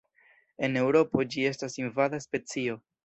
En Eŭropo ĝi estas invada specio.